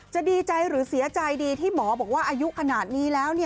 ดีใจหรือเสียใจดีที่หมอบอกว่าอายุขนาดนี้แล้ว